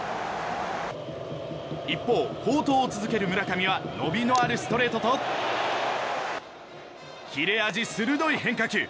一方、好投を続ける村上は伸びのあるストレートと切れ味鋭い変化球。